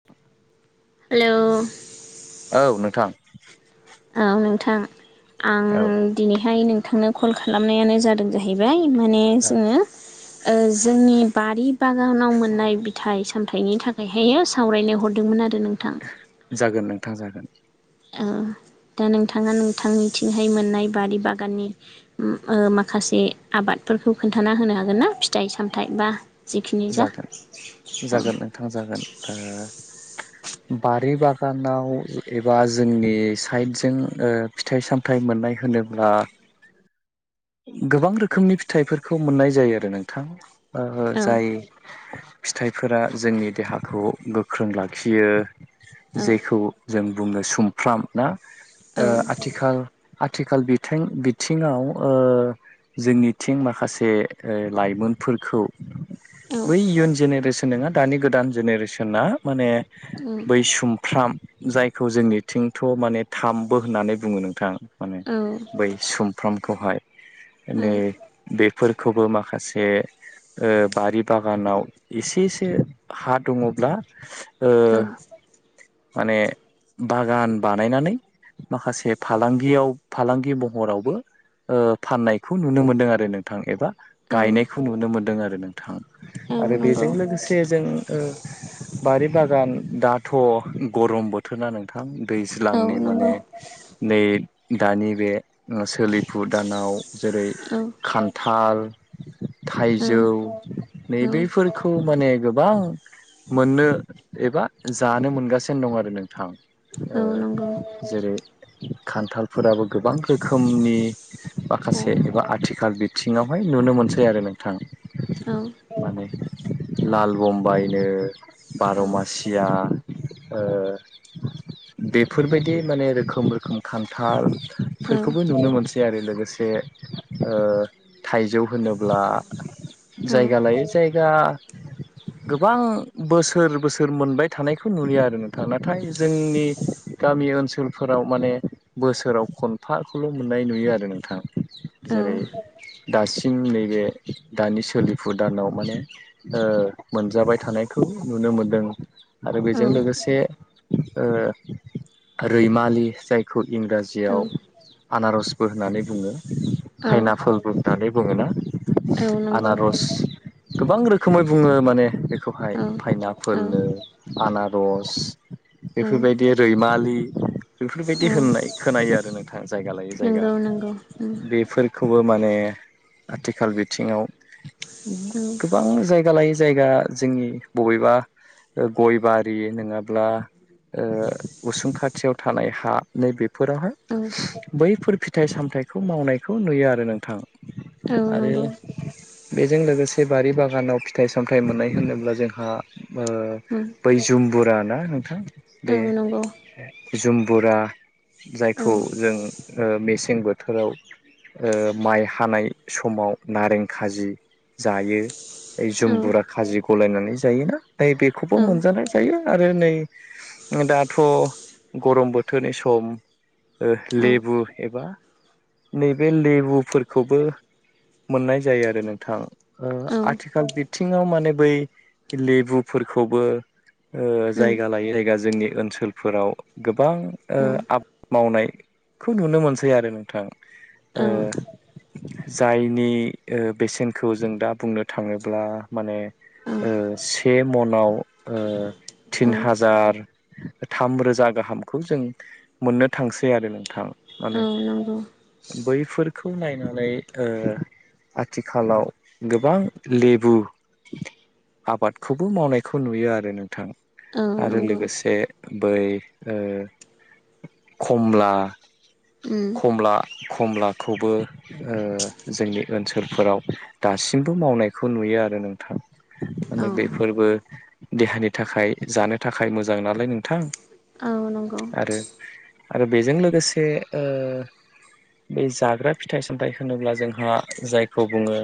[inaudible] हेल' औ नोंथां औ नोंथां आं औ दिनैहाय नोंथांनो कल खालामनायानो जादों ज जाहैबाय माने औ जोङो जोंनि बारि बागानाव मोननाय फिथाइ सामथाइनि थाखायहायो सावरायनाय हरदोंमोन आरो नोंथां जागोन नोंथां जागोन दा नोंथाङा नोंथांनिथिंहाय मोननाय बारि बागाननि माखासे आबादफोरखौ खोन्थाना होनो हागोन ना फिथाइ सामथायाइ बा जिखिनि जा औ ओथां जागोन द बारि बागानाव एबा जोंनि साइडजों फिथाइ सामथाइ मोननाय होनोब्ला [unintelligible] गोबां रोखोमनि फिथाइफोरखौ मोननाय जायो आरो नोंथां जाय औ फिथाइफोरा जोंनि देहाखौ गोख्रों लाखियो औ जायखौ जों बुङो सुमफ्राम ना औ आथिखाल आथिखाल आथिखाल बिथिङाव जोंनिथिं माखासे लाइमोनफोरखौ औ बै इयुन जेनेरेसन नङा दानि गोदान जेनेरेसना माने बै सुमफ्राम जायखौ जोंनिथिंथ' माने थामबो होननानै बुङो नोंथां माने बै सुमफ्रामखौहाय औ नै बेफोरखौबो माखासे बारि बागानाव एसेसो हा दङब्ला ओ औ माने बागान बानायनानै माखासे फालांगियाव फालांगि महरावबो फाननायखौ नुनो मोनदों आरो नोंथां एबा औ गायनायखौ नुनो मोनदों आरो नोंथां औ आरो नंगौ बेजों लोगोसे जों बारि बागान दाथ' गरम बोथोरना नोंथां औ दैज्लांनि नंगौ माने नै दानि बे सोलिफु दानाव जेरै औ खान्थाल औ थाइजौ औ नैबेफोरखौ माने गोबां मोननो एबा जानो मोनगासिनो दं आरो नोंथां औ नंगौ जेरै खान्थालफोराबो गोबां रोखोमनि औ माखासे एबा आथिखाल बिथिङावहाय नुनो मोनसै आरो नोंथां औ माने लाल बुम्बाइनो औ बार' मासि खुथिया [unintelligible] बेफोरबायदि माने रोखोम-रोखोम खान्थाल औ फोरखौबो नुनो मोनसै आरो लोगोसे ओ थाइजौ होनोब्ला जायगा लायै जायगा [unintelligible] गोबां बोसोर बोसोर मोनबाय थानायखौ नुलिया आरो नोंथां नाथाय जोंनि गामि ओनसोलफोराव माने बोसोराव खनफाखौल' मोननाय नुयो आरो नोंथां औ जेरै दासिम नैबे दानिसिम सोलिफु दानाव माने मोनजाबाय थानायखौ नुनो मोनदों आरो औ बेजों लोगोसे रैमालि जायखौ इंराजि जियाव आनारसबो होननानै बुङो खायनाफलबो होननानै बुङोना औ नांगौ आनारस गोबां रोखोमै बुङो माने औ बेखौहाय औ फाइनापोलनो आनारस औ बेफोरबायदि रैमालि औ बेफोरबायदि होननाय खोनायो आरो नोंथां जायगा लायै जायगा नंगौ नंगौ उम बेफोरखौबो माने आथिखाल बिथिङाव औ गोबां जायगा लायै जायगा जोंनि बबेबा गय बारि नङाब्ला उसुं खाथियाव थानाय हा नै औ बेेफोरावहाय बैफोर फिथाइ सामथायाइखौ मावनायखौ नुयो आरो नोंथां। औ आरो नंगौ बेजों लोगोसे बारि बागानाव फिथाइ सामथाइ मोननाय होनोब्ला जोंहा ओ उम बै जुम्बुरा ना नोंथां औ बे नंगौ जुम्बुरा औ जायखौ जों मेसें बोथोराव माइ हानाय समाव नारें खाजि जायो औ जुमबुरा खाजि गलायनानै जायोना बे औ उम औ खौबो मोनजानाय जायो आरो नै दाथ' गरम बोथोरनि सम ओ औ लेबु एबा नैबे लेबुफोरखौबो मोननाय जायो आरो नोंथां ओ औ आथिखाल बिथिं बिथिङाव माने बै लेबुफोरखौबो ओ जायगा लायै जायगा जोंनि ओनसोलफोराव गोबां ओ आबाद मावनायखौ नुनो मोनसै आरो नोंथां। औ ओ जायनि ओ बेसेनखौ जों दा बुंनो थाङोब्ला माने ओ से मनाव ओ तिन हाजार थाम रोजा गाहामखौ जों मोननो थांसै आरो नोंथां। माने नंगौ बैफोरखौ नायनानै ओ आथिखालाव गोबां लेबु आबादखौबो मावनायखौ नुयो आरो नोंथां औ आरो नंगौ लोगोसे बै ओ खमला उम खमला-खमलाखौबो ओ जोंनि ओनसोलफोराव दासिमबो मावनायखौ नुयो आरो नोंथां औ माने बेफोरबो देहानि थाखाय जानो थाखाय मोजां नालाय नोंथां औ नंगौ आरो आरो बेजों लोगोसे ओ बे जाग्रा फिथाइ सामथाइ होनोब्ला जोंहा जायखौ बुङो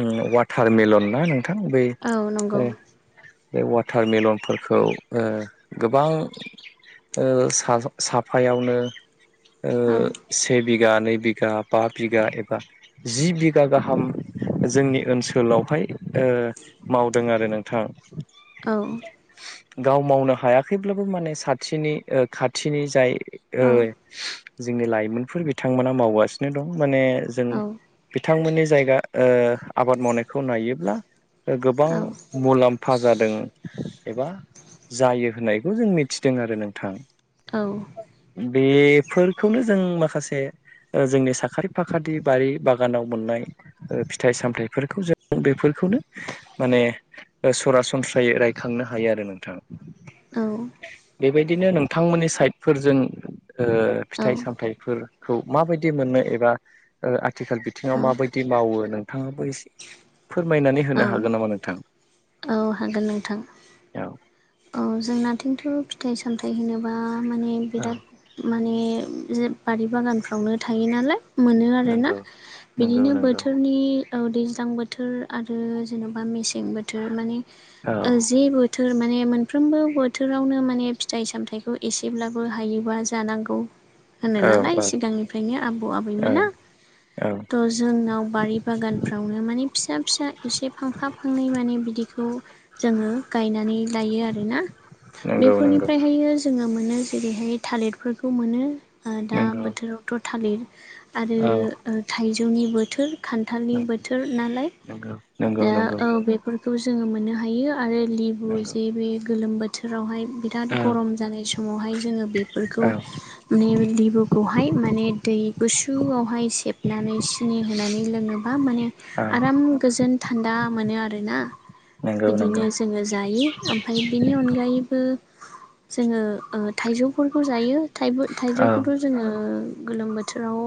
उम वाटारमेलन ना नों थां बै औ नंगौ ओ बे वाटारमेलनफोरखौ ओ गोबां ओ सा साफायावनो ओ से बिघा नै बिघा बा बिघा जि बिघा गाहाम जोंनि ओनसोलावहाय ओ मावदों आरो नोंथां औ गाव मावनो हायाखैब्लाबो माने साथिनि ओ खाथिनि जाय औ ओ जोंनि लाइमोनफोर बिथांमोना मावगासिनो दं माने जों औ बिथांमोननि जायगा ओ आबाद मावनायखौ नायोब्ला ओ गोबां औ मुलाम्फा जादों एबा जायो होननायखौ जों मिथिदों आरो नोंथां। औ बेफोरखौनो जों माखासे जोंनि साखारि फाखाथि बारि बागानाव मोननाय ओ फिथाइ सामथायाइफोरखौ जों बेफोरखौनो माने ओ सरासनस्रायै रायखांनो हायो आरो नोंथां। औ बेबायदिनो नोंथांमोननि साइडफोरजों ओ औ फिथाइ सामथाइफोर खौ माबायदि मोननो एबा ओ आथिखाल बिथिङाव माबायदि मावो नोंथाङाबो एसे फोरमायनानै होनो हागोन नामा नोंथां? औ हागोन नोंथां औ औ जोंनाथिंथ' फिथाइ सामथाइ होनोबा माने औ बिराद। माने जे बारि बागानफ्रावनो थायो नालाय। मोनो आरोना नंगौ नंगौ बिदिनो नंगौ बोथोरनि। औ दैज्लां बोथोर आरो जेन'बा मेसें बोथोर माने औ ओ जि बोथोर माने मोनफ्रोमबो बोथोरावनो माने फिथाइ सामथाइखौ एसेब्लाबो हायोबा जानांगौ। होनो औ नालाय औ सिगांनिफ्रायनो आबौ औ आबैमोना। औ थ' जोंनाव बारि बागानफ्रावनो माने फिसा फिसा एसे फांफा फांनै माने बिदि। खौ जोङो गायनानै लायो आरोना नंगौ नंगौ बेफोरनिफ्रायहायो। जोङो मोनो जेरैहाय थालिरफोरखौ मोनो दा नंगौ औ बोथोरावथ' थालिर। नंगौ। आरो थाइजौनि बोथोर। खान्थालनि बोथोर नालाय नंगौ नंगौ दा नंगौ औ बे फोरखौ जोङो मोननो हायो आरो लेबु नंगौ जेबे गोलोम बोथोरावहाय बिराद औ गरम जानाय समावहाय जोङो औ बेफोरखौ। माने लिबुखौहाय माने दै गुसुआवहाय सेबनानै खिनि होनानै लोङोबा माने औ आराम गोजोन थान्दा मोनो आरोना? नंगौ नंगौ बिदिनो जोङो जायो। ओमफय बिनि अनगायैबो जोङो ओ थाइजौफोरखौ जायो थायबो। औ थाइजौखौथ' जोङो गोलोम ओ बोथोराव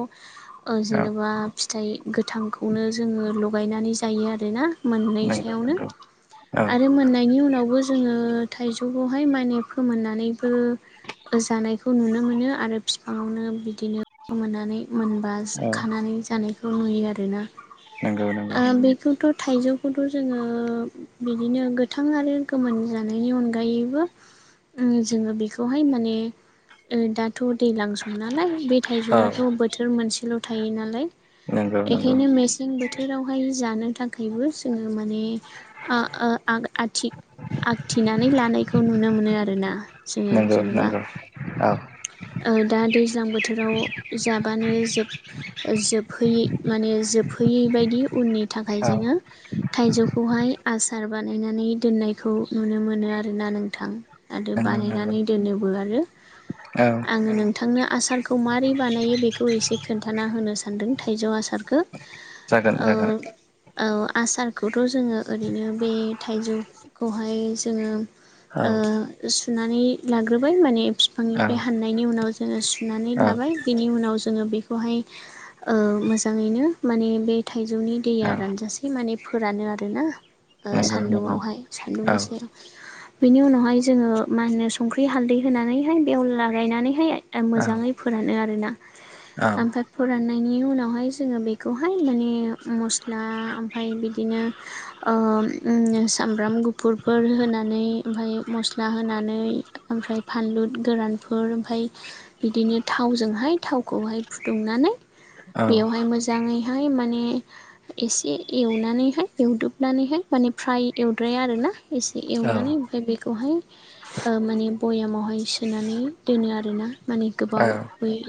औ जेनेबा। फिथाइ गोथांखौनो जोङो लगायनानै जायो आरोना? मोनै नंगौ सायावनो नंगौ औ आरो मोननायनि उनावबो। जोङो थाइजौखौहाय माने फोमोननानैबो। जानायखौ नुनो मोनो आरो बिफांआवनो बिदिनो गोमोनानै। मोनबा औ खानानै जानायखौ नुयो आरोना नंगौ नंगौ आ बे बेखौथ' थाइजौखौथ' जोङो बिदिनो गोथां आरो गोमोन जानायनि अनगायैबो जोङो बेखौहाय माने दा, दाथ' दैज्लां सम नालाय बे औ थाइजौआथ' बोथोर मोनसेल' थायो नालाय। नंगौ नंगौ एखायनो मेस मेसें बोथोरावहाय जानो थाखायबो जोङो माने ओ ओ आथि आखथिनानै लानायखौ नुनो मोनो आर ना जोङो नंगौ जेन'बा। नंगौ औ ओ दा दैज्लां बोथोराव जाब माबानो जोब जोबहै माने जोबहैयै बायदि उननि थाखाय औ जोङो। थाइजौखौहाय आसार बानायनानै दोननायखौ नुनो मोनो आरोना नोंथां। आरो नंगौ नंगौ बानायनानै दोनोबो आरो औ आङो नों नोंथांनो आसारखौ माबारै बानायो बेखौ एसे खोन्थाना होनो सानदों थाइजौ आसार। खो जागोन औ। जागोन औ आसारखौथ' जोङो ओरैनो बे थाइजौखौहाय जोङो। औ ओ सुनानै लाग्रोबाय माने। औ बिफांनिफ्राय हाननायनि उनाव जोङो सुनानै औ लाबाय बेनि उनाव जोङो बेखौहाय ओ मोजाङैनो माने बे थाइजौनि दैया औ रानजासे इ माने फोरानो आरोना ओ नंगौ नंगौ सान्दुंआवहाय सान्दुं औ गोसोआव बिनि उनावहाय जोङो मा होनो संख्रि हालदै होनानैहाय बेवला गायनानैहाय। दा औ मोजाङै फोरानो आरोना औ ओमफाय। फोराननायनि उनावहाय जोङो बेखौहाय माने मस्टलि मस्ला ओमफाय बिदिनो ओम उम सामब्राम गुफुर, बेफोर होनानै ओमफाय मस्ला होनानै ओमफ्राय फानलु गोरानफोर ओमफाय बिदिनो थावजोंहाय थावखौहाय फुदुंनानै, बेयावहाय मोज मोजाङैहाय माने एसे एवनानैहाय एवदोबनानैहाय माने फ्राय ओनफ्राय आरोना एसे औ एवनानै ओमफ्राय बेखौहाय। माने भयामावहाय सोनानै दोनो आरोना माने गोबाव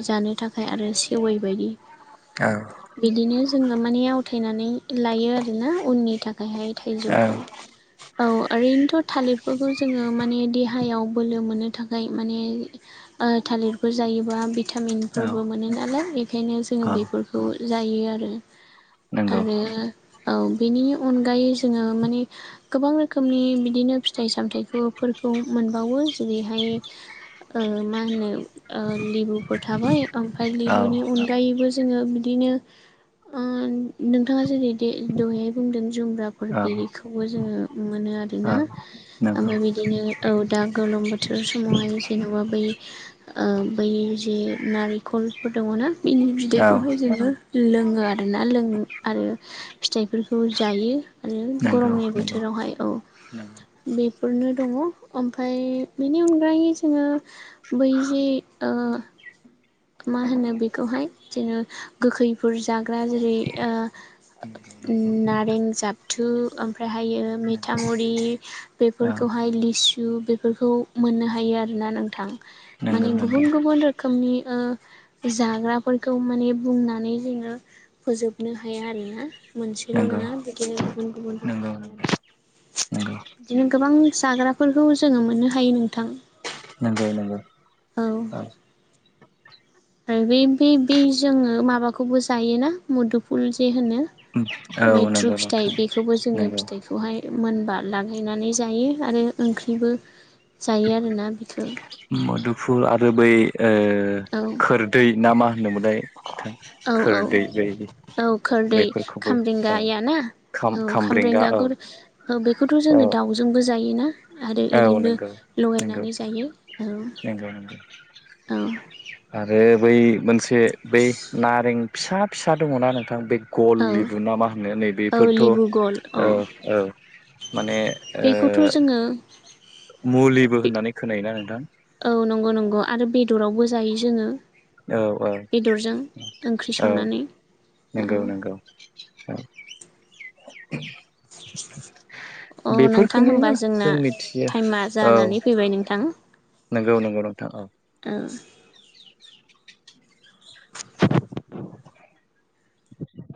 जानो थाखाय आरो सेवै बायदि औ बिदिनो जोङो माने आवथायनानै लायो आरोना उननि थाखायहाय औ थाइजौखौ औ औ ओरैनोथ' थालिरफोरखौ जोङो माने देहायाव बोलो मोननो थाखाय माने थालिरफोर जायोबा भिटामिनफोरबो मोनो नालाय बेखायनो जोङो बेफोरखौ जायो आरो आरो औ बेनि अनगायै जोङो माने गोबां रोखोमनि बिदिनो फिथाइ सामथायाइखौफोरखौ मोनबावो जेरैहाय मा होनो लेबुफोर थाबाय ओमफ्राय लेबुनि अनगायैबो जोङो बिदिनो नोंथाङा जेरै दहायहाय बुंदों जुमब्राब र औ बिखौबो जोङो मोनो आरोना नंगौ ओमफ्राय औ बिदिनो औ दा गोलोम बोथोर समावहाय जेन'बा बै ओ बै जे नारेंखलफोर दङ ना बेनि नंगौ नंगौ बिदैखौहाय जोबो लोङो आरोना लों आरो नाले बोथोरावहाय औ बेफोरनो दङ ओमफाय बेनि अनगायै जोङो बैजि ओ मा होनो बेखौहाय जेन' गोखैफोर जाग्रा जेरै नंगौ नंगौ नारें जाबथु ओमफ्राय हायो नंगौ मिथामुरि औ बेफोरखौहाय लिसु बेफोरखौ मोननो हायो आरोना नोंथां नंगौ माने गुबुन नंगौ गुबुन रोखोमनि जाग्राफोरखौ माने बुंनानै जोङो फोजोबनो हाया आरोना मोनसेल' नंगौ नङा बिदिनो गुबुन गुबुन नंगौ रोखोम नंगौ [unintelligible] बिदिनो गोबां जाग्राफोरखौ जोङो मोननो हायो नोंथां नंगौ नंगौ औ आरो बै बि बि जोङो माबाखौबो जायोना मुदुफुल जे होनो औ मैथ्रु नंगौ फिथाइ नोंथां बे खौबो जोङो नंगौ फिथाइखौहाय मोनबा लागायनानै जायो आरो ओंख्रिबो जायो आरोना बिखो मधुफुल आरो बै औ खोरदै ना मा होनोमलाय औ औ औ खोरदै बेफोरखौबो औ खामरेंगाया ना खाम औ खामब्रेंगा औ खामब्रेंगाखौ औ बेखौथ' औ जोङो दाउजोंबो जायोना आरो औ ओरैनोबो नंगौ नंगौ लगायनानै जायो औ नंगौ नंगौ औ आरो बै मोनसे बै नारें फिसा फिसा दङना नोंथां बे गल औ लिबु नामा होनो औ लेबु गल अ नै बेखौथ' जोङो मुलिबो होननानै खोनायोना नोंथां औ नंगौ नंगौ आरो बेदरावबो जायो जोङो औ औ बेदरजों ओंख्रि औ संनानै नंगौ नंगौ औ - [unintelligible] अ नोंथां बेफोरखौनो होमबा जोंना जों मिथियो टाइमा औ जानानै फैबाय नोंथां नंगौ नंगौ नोंथां औ औ [unintelligible]